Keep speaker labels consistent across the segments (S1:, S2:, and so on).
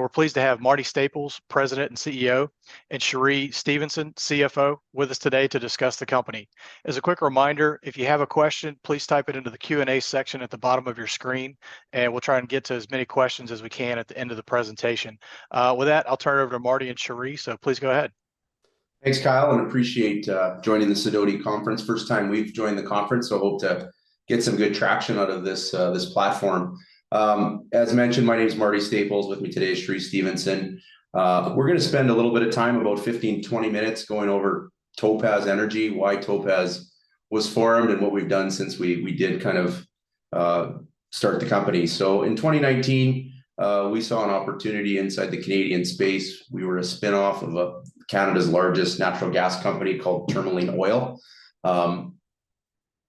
S1: We're pleased to have Marty Staples, President and CEO, and Cheree Stephenson, CFO, with us today to discuss the company. As a quick reminder, if you have a question, please type it into the Q&A section at the bottom of your screen, and we'll try and get to as many questions as we can at the end of the presentation. With that, I'll turn it over to Marty and Cheree, so please go ahead.
S2: Thanks, Kyle, and appreciate joining the Sidoti conference. First time we've joined the conference, so hope to get some good traction out of this platform. As mentioned, my name is Marty Staples, with me today is Cheree Stephenson. We're going to spend a little bit of time, about 15, 20 minutes, going over Topaz Energy, why Topaz was formed, and what we've done since we did kind of start the company. So in 2019, we saw an opportunity inside the Canadian space. We were a spinoff of Canada's largest natural gas company called Tourmaline Oil.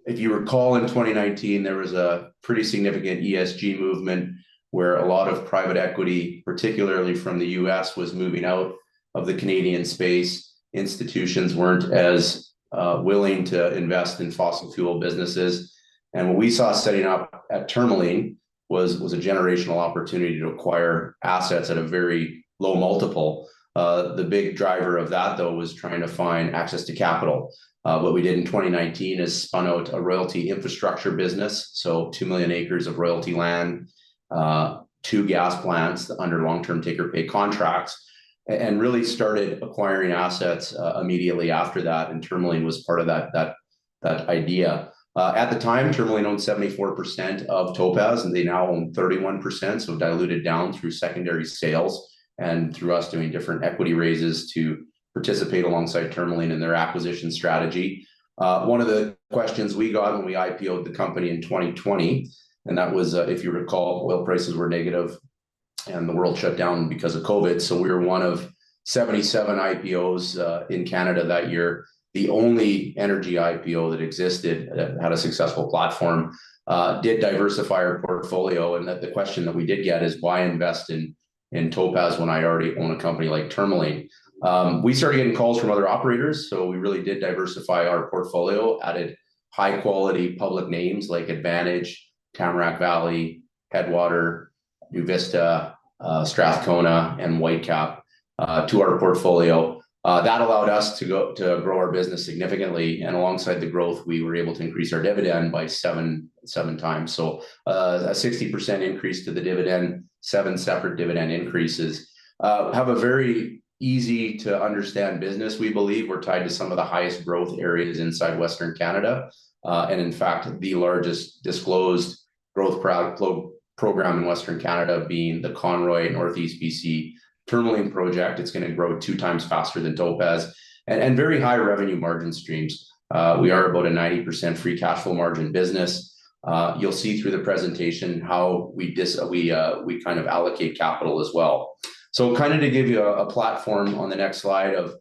S2: If you recall, in 2019, there was a pretty significant ESG movement where a lot of private equity, particularly from the U.S., was moving out of the Canadian space. Institutions weren't as willing to invest in fossil fuel businesses. What we saw setting up at Tourmaline was a generational opportunity to acquire assets at a very low multiple. The big driver of that, though, was trying to find access to capital. What we did in 2019 is spun out a royalty infrastructure business, so 2 million acres of royalty land, 2 gas plants under long-term take-or-pay contracts, and really started acquiring assets immediately after that. Tourmaline was part of that idea. At the time, Tourmaline owned 74% of Topaz, and they now own 31%, so diluted down through secondary sales and through us doing different equity raises to participate alongside Tourmaline in their acquisition strategy. One of the questions we got when we IPO'd the company in 2020, and that was, if you recall, oil prices were negative and the world shut down because of COVID. So we were one of 77 IPOs in Canada that year, the only energy IPO that existed that had a successful platform, did diversify our portfolio. And the question that we did get is, why invest in Topaz when I already own a company like Tourmaline? We started getting calls from other operators, so we really did diversify our portfolio, added high-quality public names like Advantage, Tamarack Valley, Headwater, NuVista, Strathcona, and Whitecap to our portfolio. That allowed us to grow our business significantly. And alongside the growth, we were able to increase our dividend by 7x, so a 60% increase to the dividend, seven separate dividend increases. We have a very easy-to-understand business. We believe we're tied to some of the highest growth areas inside Western Canada, and in fact, the largest disclosed growth program in Western Canada being the Conroy Northeast BC Tourmaline project. It's going to grow 2x faster than Topaz and very high revenue margin streams. We are about a 90% free cash flow margin business. You'll see through the presentation how we kind of allocate capital as well. So kind of to give you a platform on the next slide of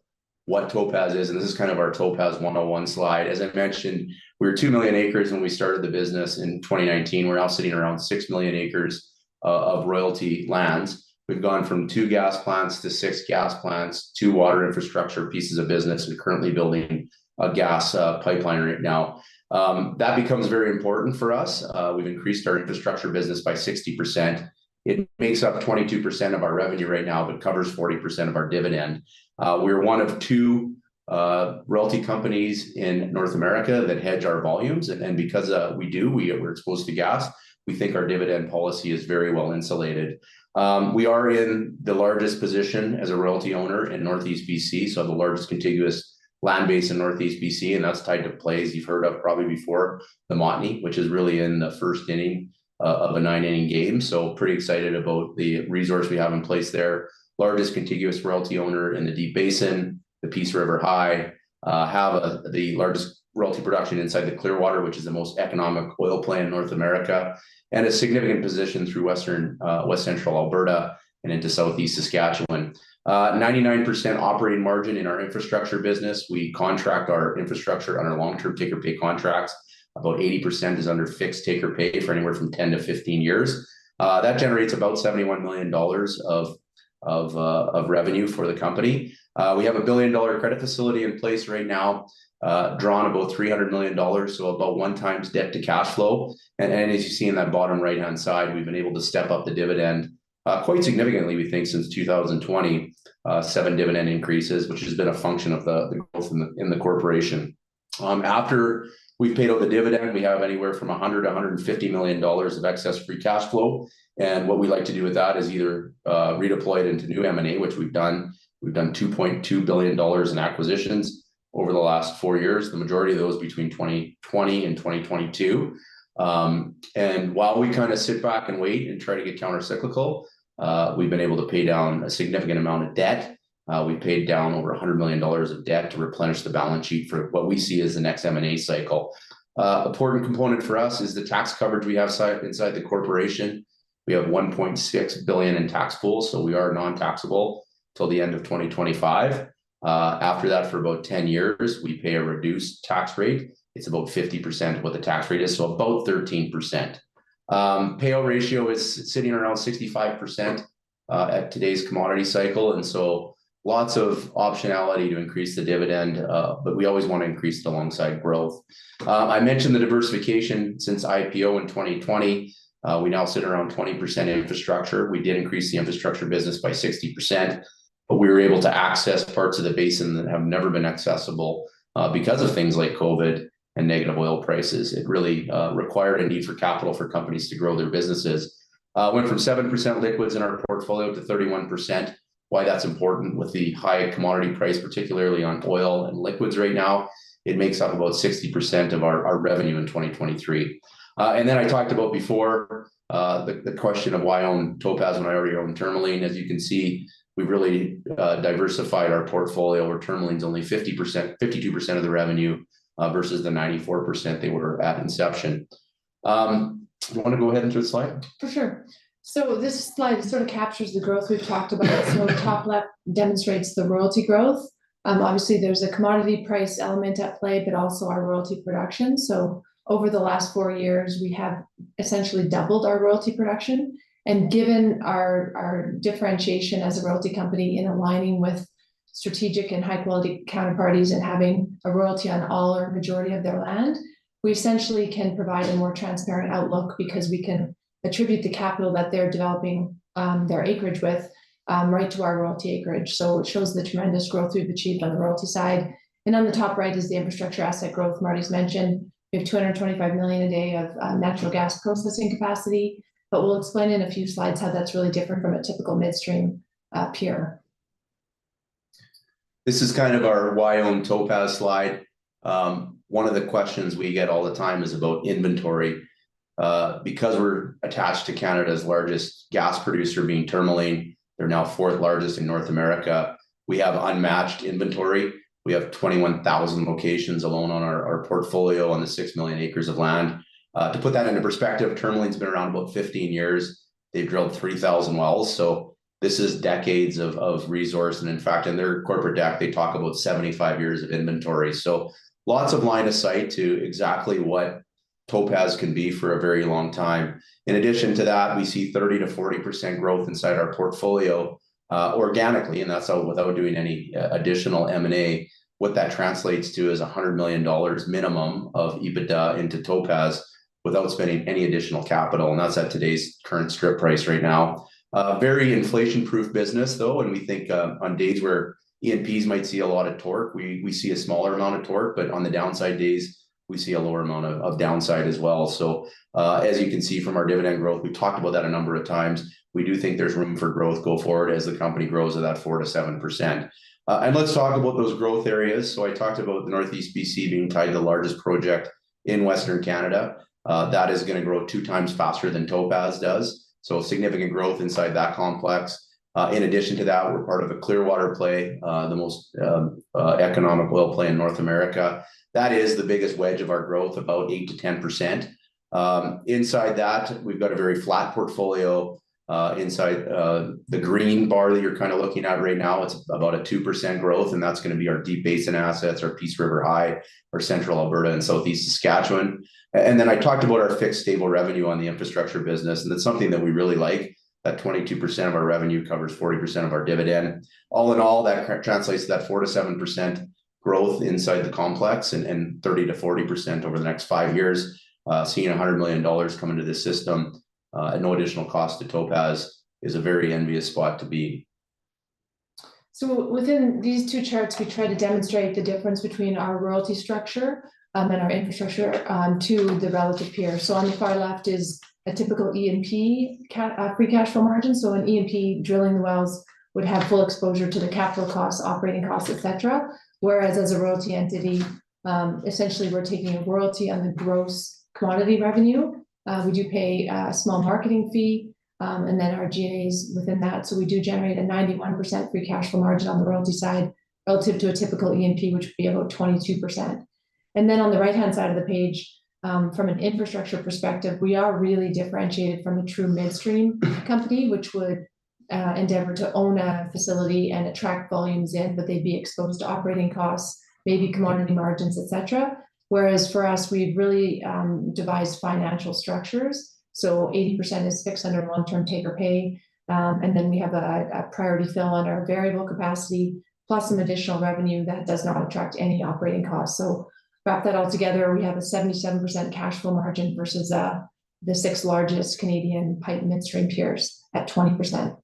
S2: what Topaz is, and this is kind of our Topaz 101 slide. As I mentioned, we were 2 million acres when we started the business in 2019. We're now sitting around 6 million acres of royalty lands. We've gone from 2 gas plants to 6 gas plants, 2 water infrastructure pieces of business, and currently building a gas pipeline right now. That becomes very important for us. We've increased our infrastructure business by 60%. It makes up 22% of our revenue right now but covers 40% of our dividend. We're one of two royalty companies in North America that hedge our volumes. And because we do, we're exposed to gas, we think our dividend policy is very well insulated. We are in the largest position as a royalty owner in Northeast BC, so the largest contiguous land base in Northeast BC, and that's tied to plays you've heard of probably before, the Montney, which is really in the first inning of a nine-inning game. So pretty excited about the resource we have in place there. Largest contiguous royalty owner in the Deep Basin, the Peace River High, have the largest royalty production inside the Clearwater, which is the most economic oil play in North America, and a significant position through West Central Alberta and into Southeast Saskatchewan. 99% operating margin in our infrastructure business. We contract our infrastructure under long-term take-or-pay contracts. About 80% is under fixed take-or-pay for anywhere from 10-15 years. That generates about 71 million dollars of revenue for the company. We have a billion-dollar credit facility in place right now, drawn about 300 million dollars, so about 1x debt to cash flow. As you see in that bottom right-hand side, we've been able to step up the dividend quite significantly, we think, since 2020, seven dividend increases, which has been a function of the growth in the corporation. After we've paid out the dividend, we have anywhere from 100 million-150 million dollars of excess free cash flow. What we like to do with that is either redeploy it into new M&A, which we've done. We've done 2.2 billion dollars in acquisitions over the last 4 years, the majority of those between 2020 and 2022. While we kind of sit back and wait and try to get countercyclical, we've been able to pay down a significant amount of debt. We paid down over 100 million dollars of debt to replenish the balance sheet for what we see as the next M&A cycle. An important component for us is the tax coverage we have inside the corporation. We have 1.6 billion in tax pools, so we are non-taxable till the end of 2025. After that, for about 10 years, we pay a reduced tax rate. It's about 50% of what the tax rate is, so about 13%. Payout ratio is sitting around 65% at today's commodity cycle, and so lots of optionality to increase the dividend, but we always want to increase it alongside growth. I mentioned the diversification since IPO in 2020. We now sit around 20% infrastructure. We did increase the infrastructure business by 60%, but we were able to access parts of the basin that have never been accessible because of things like COVID and negative oil prices. It really required a need for capital for companies to grow their businesses. Went from 7% liquids in our portfolio to 31%. Why that's important with the high commodity price, particularly on oil and liquids right now, it makes up about 60% of our revenue in 2023. And then I talked about before the question of why I own Topaz when I already own Tourmaline. As you can see, we've really diversified our portfolio. Tourmaline's only 52% of the revenue versus the 94% they were at inception. Do you want to go ahead and show the slide?
S3: For sure. So this slide sort of captures the growth we've talked about. So the top left demonstrates the royalty growth. Obviously, there's a commodity price element at play, but also our royalty production. So over the last four years, we have essentially doubled our royalty production. And given our differentiation as a royalty company in aligning with strategic and high-quality counterparties and having a royalty on all or majority of their land, we essentially can provide a more transparent outlook because we can attribute the capital that they're developing their acreage with right to our royalty acreage. So it shows the tremendous growth we've achieved on the royalty side. And on the top right is the infrastructure asset growth Marty's mentioned. We have 225 million a day of natural gas processing capacity, but we'll explain in a few slides how that's really different from a typical midstream peer.
S2: This is kind of our why-own-Topaz slide. One of the questions we get all the time is about inventory. Because we're attached to Canada's largest gas producer, being Tourmaline, they're now fourth largest in North America. We have unmatched inventory. We have 21,000 locations alone on our portfolio on the 6 million acres of land. To put that into perspective, Tourmaline's been around about 15 years. They've drilled 3,000 wells, so this is decades of resource. And in fact, in their corporate deck, they talk about 75 years of inventory. So lots of line of sight to exactly what Topaz can be for a very long time. In addition to that, we see 30%-40% growth inside our portfolio organically, and that's without doing any additional M&A. What that translates to is 100 million dollars minimum of EBITDA into Topaz without spending any additional capital, and that's at today's current strip price right now. Very inflation-proof business, though, and we think on days where E&Ps might see a lot of torque, we see a smaller amount of torque, but on the downside days, we see a lower amount of downside as well. So as you can see from our dividend growth, we've talked about that a number of times. We do think there's room for growth going forward as the company grows at that 4%-7%. And let's talk about those growth areas. So I talked about the Northeast BC being tied to the largest project in Western Canada. That is going to grow 2x faster than Topaz does. So significant growth inside that complex. In addition to that, we're part of a Clearwater play, the most economic oil play in North America. That is the biggest wedge of our growth, about 8%-10%. Inside that, we've got a very flat portfolio. Inside the green bar that you're kind of looking at right now, it's about a 2% growth, and that's going to be our Deep Basin assets, our Peace River High, our Central Alberta, and Southeast Saskatchewan. And then I talked about our fixed stable revenue on the infrastructure business, and that's something that we really like. That 22% of our revenue covers 40% of our dividend. All in all, that translates to that 4%-7% growth inside the complex and 30%-40% over the next five years, seeing 100 million dollars come into this system at no additional cost to Topaz is a very envious spot to be.
S3: Within these two charts, we try to demonstrate the difference between our royalty structure and our infrastructure to the relative peer. On the far left is a typical E&P free cash flow margin. An E&P drilling the wells would have full exposure to the capital costs, operating costs, et cetera. Whereas as a royalty entity, essentially we're taking a royalty on the gross commodity revenue. We do pay a small marketing fee, and then our G&A is within that. We do generate a 91% free cash flow margin on the royalty side relative to a typical E&P, which would be about 22%. And then on the right-hand side of the page, from an infrastructure perspective, we are really differentiated from a true midstream company, which would endeavor to own a facility and attract volumes in, but they'd be exposed to operating costs, maybe commodity margins, et cetera. Whereas for us, we've really devised financial structures. So 80% is fixed under long-term take-or-pay, and then we have a priority fill on our variable capacity plus some additional revenue that does not attract any operating costs. So wrap that all together, we have a 77% cash flow margin versus the six largest Canadian oil and gas midstream peers at 20%.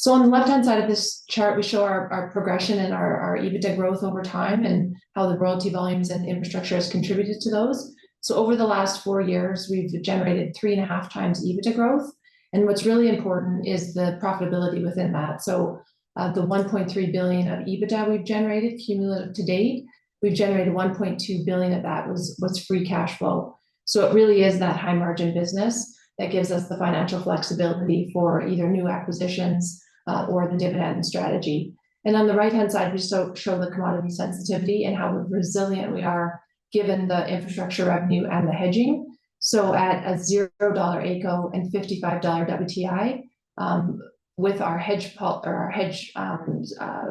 S3: So on the left-hand side of this chart, we show our progression and our EBITDA growth over time and how the royalty volumes and infrastructure has contributed to those. Over the last 4 years, we've generated 3.5x EBITDA growth, and what's really important is the profitability within that. The 1.3 billion of EBITDA we've generated cumulative to date, we've generated 1.2 billion of that was free cash flow. It really is that high-margin business that gives us the financial flexibility for either new acquisitions or the dividend strategy. And on the right-hand side, we show the commodity sensitivity and how resilient we are given the infrastructure revenue and the hedging. At a 0 dollar AECO and $55 WTI, with our hedge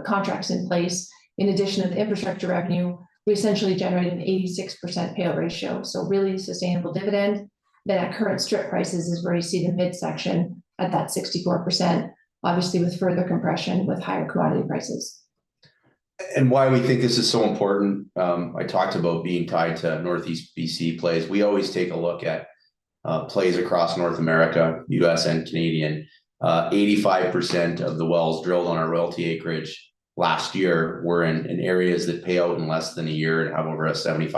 S3: contracts in place, in addition to the infrastructure revenue, we essentially generate an 86% payout ratio, so really sustainable dividend. At current strip prices is where you see the midsection at that 64%, obviously with further compression with higher commodity prices.
S2: Why we think this is so important, I talked about being tied to Northeast BC plays. We always take a look at plays across North America, U.S., and Canada. 85% of the wells drilled on our royalty acreage last year were in areas that pay out in less than a year and have over a 75%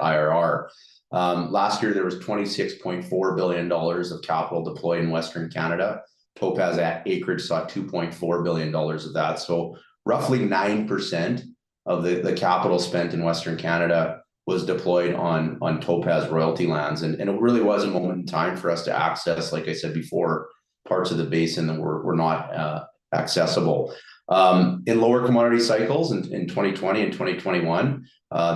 S2: IRR. Last year, there was 26.4 billion dollars of capital deployed in Western Canada. Topaz acreage saw 2.4 billion dollars of that. So roughly 9% of the capital spent in Western Canada was deployed on Topaz royalty lands. And it really was a moment in time for us to access, like I said before, parts of the basin that were not accessible. In lower commodity cycles in 2020 and 2021,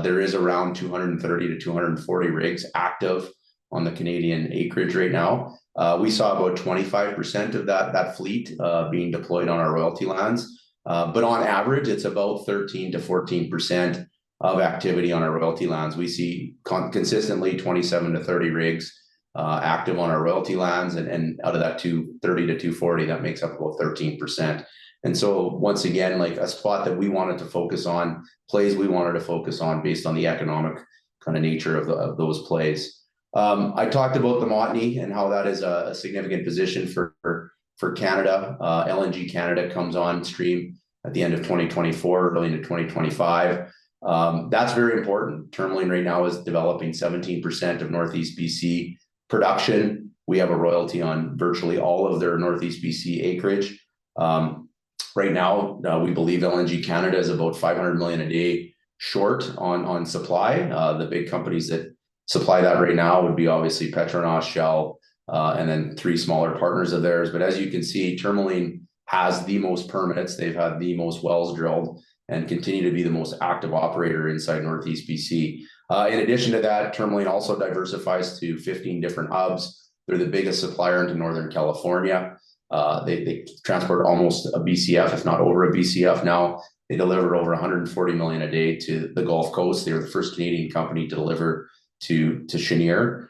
S2: there is around 230-240 rigs active on the Canadian acreage right now. We saw about 25% of that fleet being deployed on our royalty lands. But on average, it's about 13%-14% of activity on our royalty lands. We see consistently 27%-30% rigs active on our royalty lands, and out of that 30%-40%, that makes up about 13%. And so once again, like a spot that we wanted to focus on, plays we wanted to focus on based on the economic kind of nature of those plays. I talked about the Montney and how that is a significant position for Canada. LNG Canada comes on stream at the end of 2024, early into 2025. That's very important. Tourmaline right now is developing 17% of Northeast BC production. We have a royalty on virtually all of their Northeast BC acreage. Right now, we believe LNG Canada is about $500 million a day short on supply. The big companies that supply that right now would be obviously Petronas, Shell, and then three smaller partners of theirs. But as you can see, Tourmaline has the most permits. They've had the most wells drilled and continue to be the most active operator inside Northeast BC. In addition to that, Tourmaline also diversifies to 15 different hubs. They're the biggest supplier into Northern California. They transport almost a BCF, if not over a BCF now. They deliver over $140 million a day to the Gulf Coast. They're the first Canadian company to deliver to Cheniere.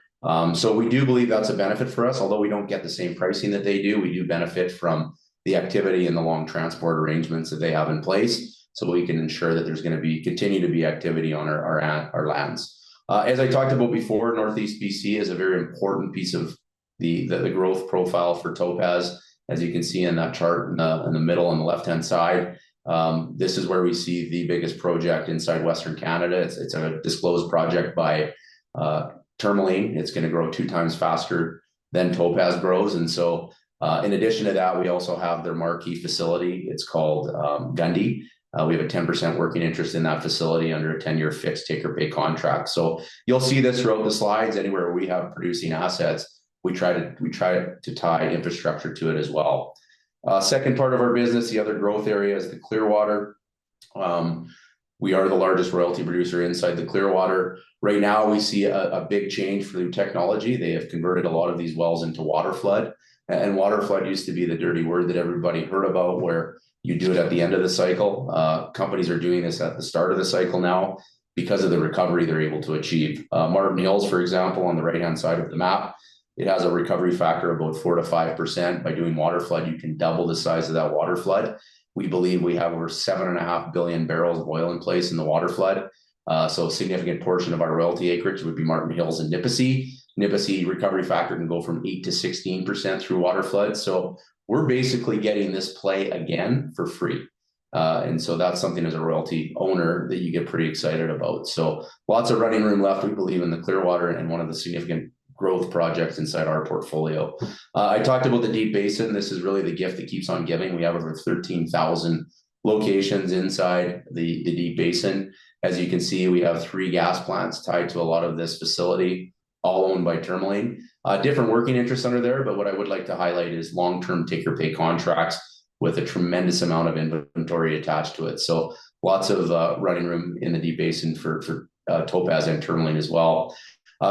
S2: So we do believe that's a benefit for us. Although we don't get the same pricing that they do, we do benefit from the activity and the long transport arrangements that they have in place. So we can ensure that there's going to continue to be activity on our lands. As I talked about before, Northeast BC is a very important piece of the growth profile for Topaz. As you can see in that chart in the middle on the left-hand side, this is where we see the biggest project inside Western Canada. It's a disclosed project by Tourmaline. It's going to grow 2x faster than Topaz grows. And so in addition to that, we also have their marquee facility. It's called Gundy. We have a 10% working interest in that facility under a 10-year fixed take-or-pay contract. So you'll see this throughout the slides. Anywhere we have producing assets, we try to tie infrastructure to it as well. Second part of our business, the other growth area is the Clearwater. We are the largest royalty producer inside the Clearwater. Right now, we see a big change for the technology. They have converted a lot of these wells into water flood. Water flood used to be the dirty word that everybody heard about where you do it at the end of the cycle. Companies are doing this at the start of the cycle now because of the recovery they're able to achieve. Marten Hills, for example, on the right-hand side of the map, it has a recovery factor of about 4%-5%. By doing water flood, you can double the size of that water flood. We believe we have over 7.5 billion barrels of oil in place in the water flood. So a significant portion of our royalty acreage would be Marten Hills and Nipisi. Nipisi recovery factor can go from 8%-16% through water flood. So we're basically getting this play again for free. And so that's something as a royalty owner that you get pretty excited about. So lots of running room left, we believe, in the Clearwater and one of the significant growth projects inside our portfolio. I talked about the Deep Basin. This is really the gift that keeps on giving. We have over 13,000 locations inside the Deep Basin. As you can see, we have three gas plants tied to a lot of this facility, all owned by Tourmaline. Different working interests under there, but what I would like to highlight is long-term take-or-pay contracts with a tremendous amount of inventory attached to it. So lots of running room in the Deep Basin for Topaz and Tourmaline as well.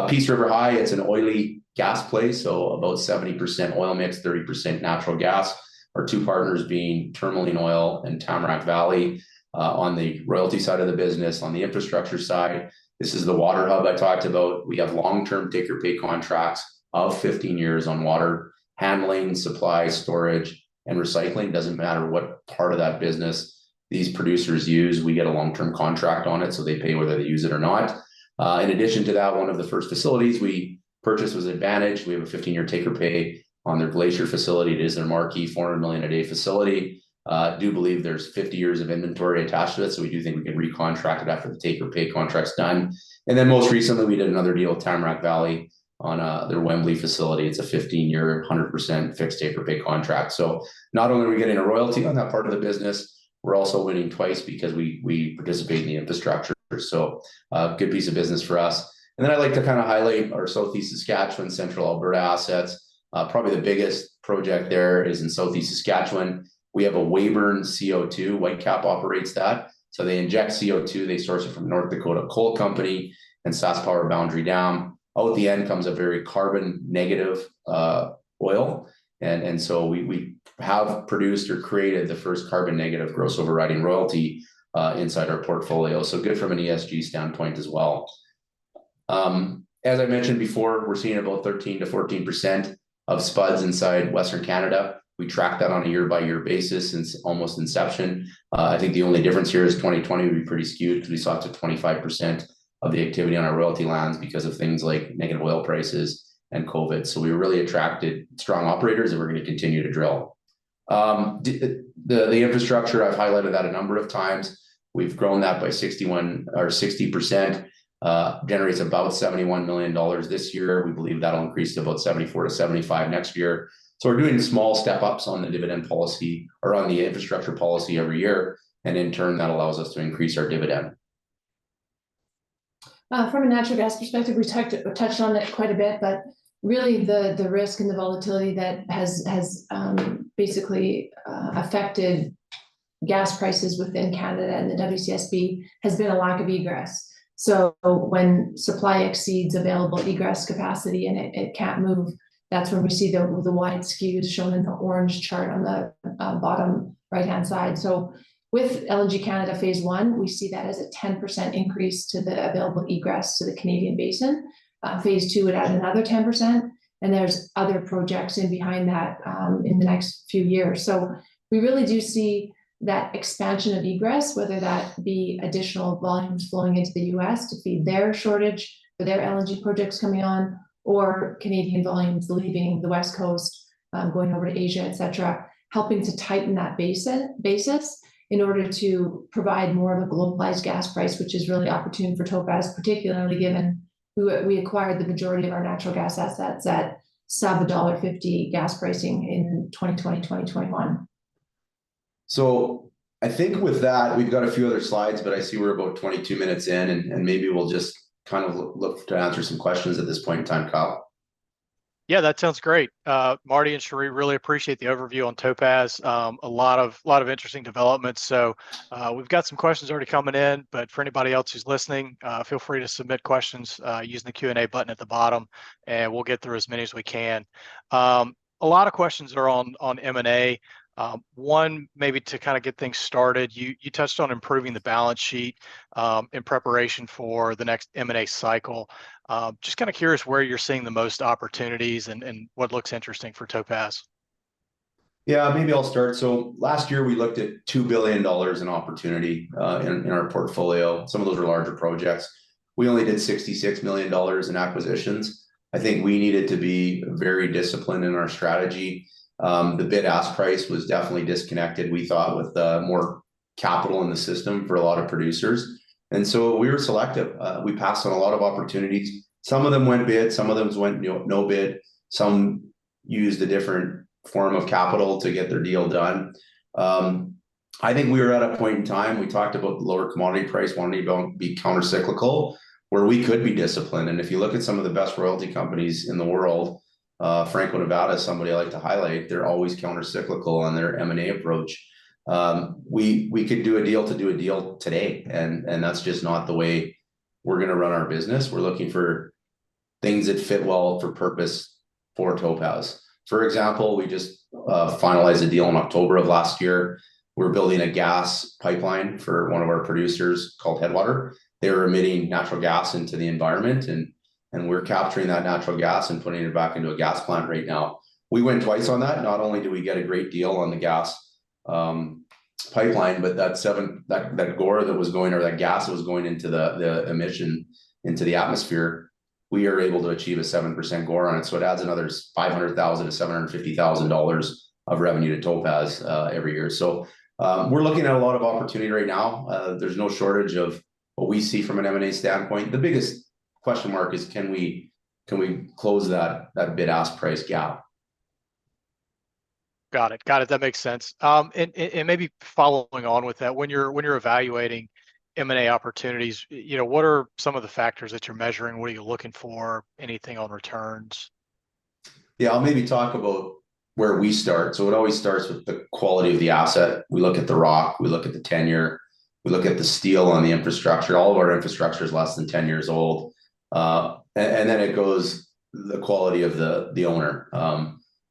S2: Peace River High, it's an oily gas play, so about 70% oil mix, 30% natural gas. Our two partners being Tourmaline Oil and Tamarack Valley on the royalty side of the business. On the infrastructure side, this is the water hub I talked about. We have long-term take-or-pay contracts of 15 years on water handling, supply, storage, and recycling. It doesn't matter what part of that business these producers use. We get a long-term contract on it, so they pay whether they use it or not. In addition to that, one of the first facilities we purchased was Advantage. We have a 15-year take-or-pay on their Glacier facility. It is their marquee 400 million a day facility. I do believe there's 50 years of inventory attached to it, so we do think we can recontract it after the take-or-pay contract's done. And then most recently, we did another deal with Tamarack Valley on their Wembley facility. It's a 15-year, 100% fixed take-or-pay contract. So not only are we getting a royalty on that part of the business, we're also winning twice because we participate in the infrastructure. So good piece of business for us. And then I'd like to kind of highlight our Southeast Saskatchewan and Central Alberta assets. Probably the biggest project there is in Southeast Saskatchewan. We have a Weyburn CO2. Whitecap operates that. So they inject CO2. They source it from North Dakota Coal Company and SaskPower Boundary Dam. Out the end comes a very carbon-negative oil. And so we have produced or created the first carbon-negative gross overriding royalty inside our portfolio. So good from an ESG standpoint as well. As I mentioned before, we're seeing about 13%-14% of spuds inside Western Canada. We track that on a year-by-year basis since almost inception. I think the only difference here is 2020 would be pretty skewed because we saw up to 25% of the activity on our royalty lands because of things like negative oil prices and COVID. So we were really attracted strong operators that were going to continue to drill. The infrastructure I've highlighted that a number of times. We've grown that by 60%. Generates about 71 million dollars this year. We believe that'll increase to about 74%-75% next year. So we're doing small step-ups on the dividend policy or on the infrastructure policy every year. And in turn, that allows us to increase our dividend.
S3: From a natural gas perspective, we touched on it quite a bit, but really the risk and the volatility that has basically affected gas prices within Canada and the WCSB has been a lack of egress. So when supply exceeds available egress capacity and it can't move, that's when we see the wide skew shown in the orange chart on the bottom right-hand side. So with LNG Canada phase I, we see that as a 10% increase to the available egress to the Canadian basin. Phase II would add another 10%. There's other projects in behind that in the next few years. We really do see that expansion of egress, whether that be additional volumes flowing into the U.S. to feed their shortage for their LNG projects coming on, or Canadian volumes leaving the West Coast, going over to Asia, et cetera, helping to tighten that basis in order to provide more of a globalized gas price, which is really opportune for Topaz, particularly given we acquired the majority of our natural gas assets at sub-CAD 1.50 gas pricing in 2020, 2021.
S2: I think with that, we've got a few other slides, but I see we're about 22 minutes in, and maybe we'll just kind of look to answer some questions at this point in time, Kyle.
S1: Yeah, that sounds great. Marty and Cheree really appreciate the overview on Topaz. A lot of interesting developments. So we've got some questions already coming in, but for anybody else who's listening, feel free to submit questions using the Q&A button at the bottom, and we'll get through as many as we can. A lot of questions are on M&A. One, maybe to kind of get things started, you touched on improving the balance sheet in preparation for the next M&A cycle. Just kind of curious where you're seeing the most opportunities and what looks interesting for Topaz.
S2: Yeah, maybe I'll start. So last year, we looked at 2 billion dollars in opportunity in our portfolio. Some of those were larger projects. We only did 66 million dollars in acquisitions. I think we needed to be very disciplined in our strategy. The bid-ask price was definitely disconnected, we thought, with more capital in the system for a lot of producers. And so we were selective. We passed on a lot of opportunities. Some of them went bid. Some of them went no bid. Some used a different form of capital to get their deal done. I think we were at a point in time, we talked about the lower commodity price, wanting to be countercyclical, where we could be disciplined. And if you look at some of the best royalty companies in the world, Franco-Nevada is somebody I like to highlight. They're always countercyclical on their M&A approach. We could do a deal to do a deal today, and that's just not the way we're going to run our business. We're looking for things that fit well for purpose for Topaz. For example, we just finalized a deal in October of last year. We're building a gas pipeline for one of our producers called Headwater. They're emitting natural gas into the environment, and we're capturing that natural gas and putting it back into a gas plant right now. We went twice on that. Not only did we get a great deal on the gas pipeline, but that GOR that was going or that gas that was going into the emission into the atmosphere, we are able to achieve a 7% GOR on it. So it adds another 500,000-750,000 dollars of revenue to Topaz every year. So we're looking at a lot of opportunity right now. There's no shortage of what we see from an M&A standpoint. The biggest question mark is, can we close that bid-ask price gap?
S1: Got it. Got it. That makes sense. Maybe following on with that, when you're evaluating M&A opportunities, what are some of the factors that you're measuring? What are you looking for? Anything on returns?
S2: Yeah, I'll maybe talk about where we start. So it always starts with the quality of the asset. We look at the rock. We look at the tenure. We look at the steel on the infrastructure. All of our infrastructure is less than 10 years old. And then it goes to the quality of the owner.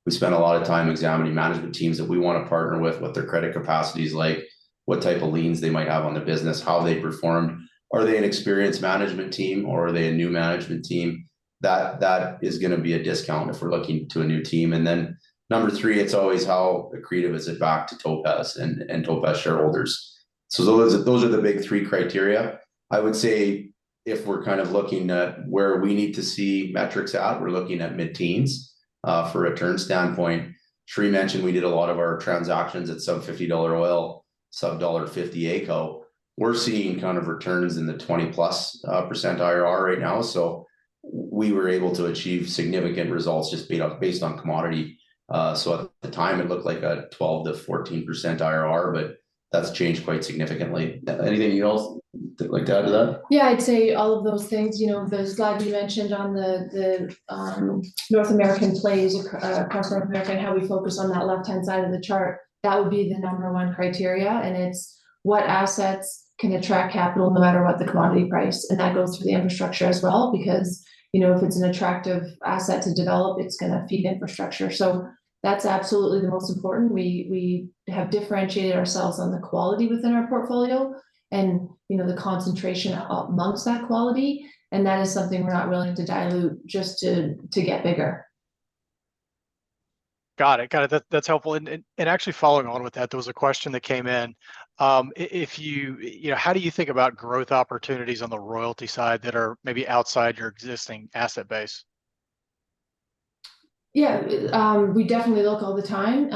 S2: We spend a lot of time examining management teams that we want to partner with, what their credit capacity is like, what type of liens they might have on their business, how they performed. Are they an experienced management team, or are they a new management team? That is going to be a discount if we're looking to a new team. And then number three, it's always how accretive is it back to Topaz and Topaz shareholders. So those are the big three criteria. I would say if we're kind of looking at where we need to see metrics at, we're looking at mid-teens for a return standpoint. Cheree mentioned we did a lot of our transactions at sub-$50 oil, sub-$1.50 AECO. We're seeing kind of returns in the 20%+ IRR right now. So we were able to achieve significant results just based on commodity. So at the time, it looked like a 12%-14% IRR, but that's changed quite significantly. Anything you'd like to add to that?
S3: Yeah, I'd say all of those things. The slide you mentioned on the North American plays, across North America, and how we focus on that left-hand side of the chart, that would be the number one criteria. It's what assets can attract capital no matter what the commodity price. That goes through the infrastructure as well because if it's an attractive asset to develop, it's going to feed infrastructure. So that's absolutely the most important. We have differentiated ourselves on the quality within our portfolio and the concentration amongst that quality. That is something we're not willing to dilute just to get bigger.
S1: Got it. Got it. That's helpful. Actually following on with that, there was a question that came in. How do you think about growth opportunities on the royalty side that are maybe outside your existing asset base?
S3: Yeah, we definitely look all the time.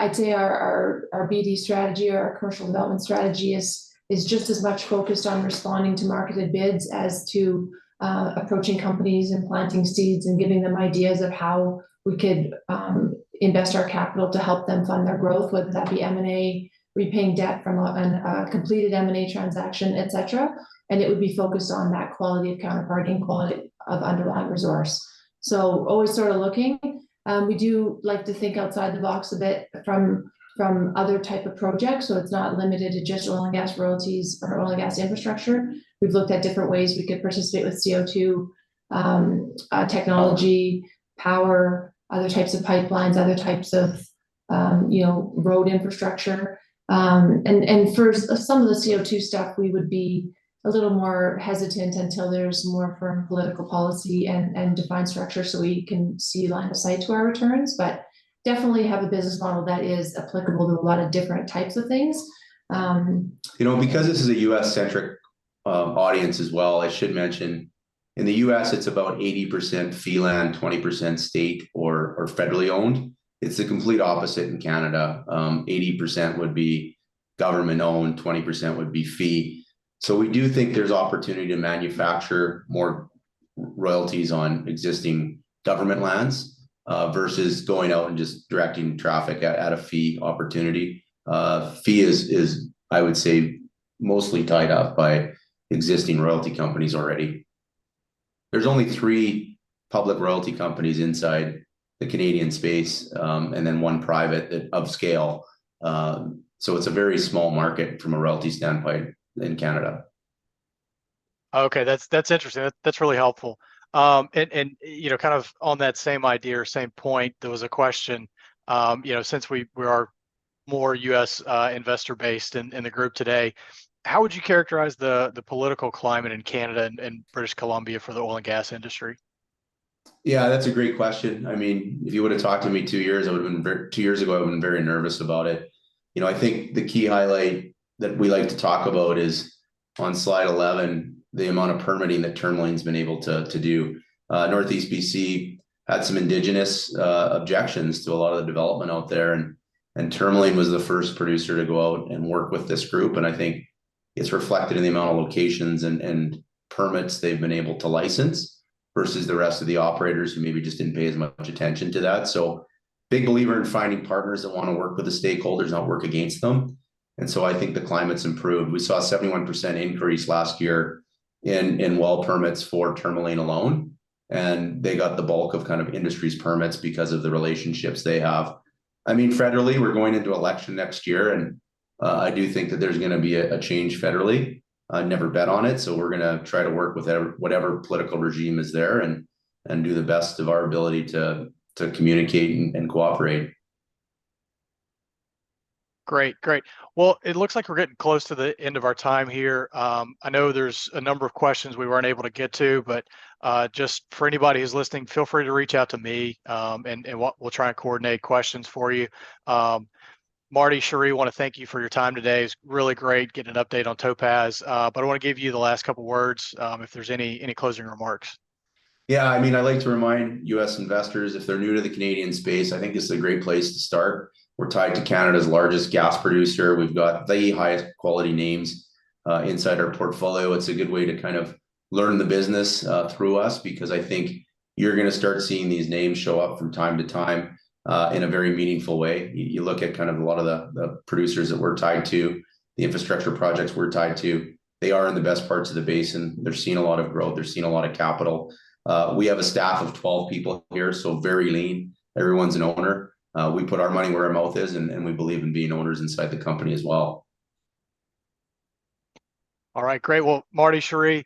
S3: I'd say our BD strategy, our commercial development strategy, is just as much focused on responding to marketed bids as to approaching companies and planting seeds and giving them ideas of how we could invest our capital to help them fund their growth, whether that be M&A, repaying debt from a completed M&A transaction, et cetera. And it would be focused on that quality of counterpart and quality of underlying resource. So always sort of looking. We do like to think outside the box a bit from other types of projects. So it's not limited to just oil and gas royalties or oil and gas infrastructure. We've looked at different ways we could participate with CO2 technology, power, other types of pipelines, other types of road infrastructure. For some of the CO2 stuff, we would be a little more hesitant until there's more firm political policy and defined structure so we can see line of sight to our returns, but definitely have a business model that is applicable to a lot of different types of things.
S2: Because this is a U.S.-centric audience as well, I should mention, in the U.S., it's about 80% fee land, 20% state or federally owned. It's the complete opposite in Canada. 80% would be government-owned, 20% would be fee. So we do think there's opportunity to manufacture more royalties on existing government lands versus going out and just directing traffic at a fee opportunity. Fee is, I would say, mostly tied up by existing royalty companies already. There's only three public royalty companies inside the Canadian space and then one private that upscale. So it's a very small market from a royalty standpoint in Canada.
S1: Okay, that's interesting. That's really helpful. Kind of on that same idea or same point, there was a question. Since we are more U.S. investor-based in the group today, how would you characterize the political climate in Canada and British Columbia for the oil and gas industry?
S2: Yeah, that's a great question. I mean, if you would have talked to me 2 years ago, I would have been very nervous about it. I think the key highlight that we like to talk about is on slide 11, the amount of permitting that Tourmaline's been able to do. Northeast BC had some indigenous objections to a lot of the development out there. Tourmaline was the first producer to go out and work with this group. I think it's reflected in the amount of locations and permits they've been able to license versus the rest of the operators who maybe just didn't pay as much attention to that. So big believer in finding partners that want to work with the stakeholders, not work against them. So I think the climate's improved. We saw a 71% increase last year in well permits for Tourmaline alone. They got the bulk of kind of industry's permits because of the relationships they have. I mean, federally, we're going into election next year. And I do think that there's going to be a change federally. Never bet on it. So we're going to try to work with whatever political regime is there and do the best of our ability to communicate and cooperate.
S1: Great. Great. Well, it looks like we're getting close to the end of our time here. I know there's a number of questions we weren't able to get to, but just for anybody who's listening, feel free to reach out to me, and we'll try and coordinate questions for you. Marty, Cheree, want to thank you for your time today. It's really great getting an update on Topaz. But I want to give you the last couple of words if there's any closing remarks.
S2: Yeah, I mean, I'd like to remind U.S. investors, if they're new to the Canadian space, I think this is a great place to start. We're tied to Canada's largest gas producer. We've got the highest quality names inside our portfolio. It's a good way to kind of learn the business through us because I think you're going to start seeing these names show up from time to time in a very meaningful way. You look at kind of a lot of the producers that we're tied to, the infrastructure projects we're tied to, they are in the best parts of the basin. They're seeing a lot of growth. They're seeing a lot of capital. We have a staff of 12 people here, so very lean. Everyone's an owner. We put our money where our mouth is, and we believe in being owners inside the company as well.
S1: All right. Great. Well, Marty, Cheree.